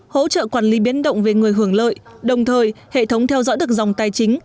hỗ trợ quản lý biến động về người hưởng lợi đồng thời hệ thống theo dõi được dòng tài chính